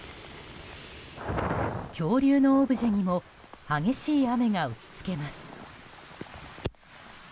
恐竜のオブジェにも激しい雨が打ち付けます。